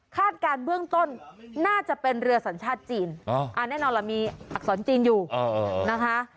การเบื้องต้นน่าจะเป็นเรือสัญชาติจีนแน่นอนล่ะมีอักษรจีนอยู่นะคะ